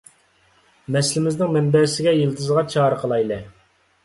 مەسىلىمىزنىڭ مەنبەسىگە، يىلتىزىغا چارە قىلايلى.